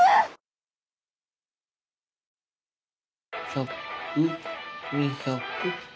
１００２００。